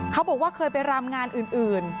เขาบอกว่าเคยไปรำงานอื่น